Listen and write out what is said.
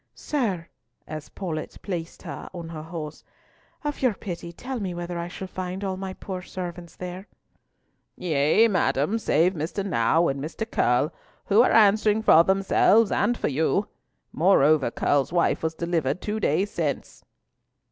"Sir," as Paulett placed her on her horse, "of your pity tell me whether I shall find all my poor servants there." "Yea, madam, save Mr. Nau and Mr. Curll, who are answering for themselves and for you. Moreover, Curll's wife was delivered two days since."